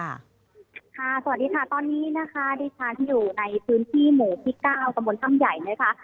สวัสดีค่ะตอนนี้นะคะดิฉันอยู่ในพื้นที่หมู่ที่๙ตำบลถ้ำใหญ่นะคะ